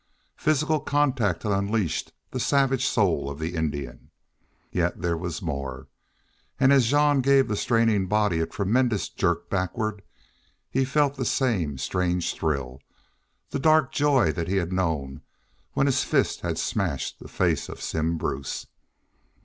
Physical contact had unleashed the savage soul of the Indian. Yet there was more, and as Jean gave the straining body a tremendous jerk backward, he felt the same strange thrill, the dark joy that he had known when his fist had smashed the face of Simm Bruce.